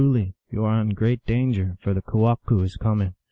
229 you are in great danger, for the kewahqu is coming.